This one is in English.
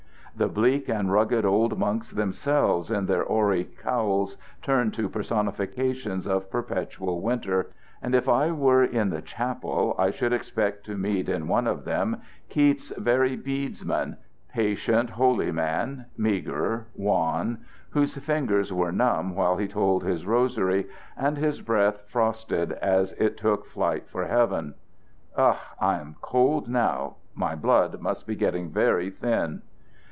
The bleak and rugged old monks themselves, in their hoary cowls, turn to personifications of perpetual winter; and if I were in the chapel, I should expect to meet in one of them Keats's very beadsman patient, holy man, meagre, wan whose fingers were numb while he told his rosary, and his breath frosted as it took flight for heaven. Ugh! I am cold now. My blood must be getting very thin."